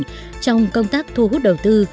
lựa chọn của các cấp tỉnh điểm camp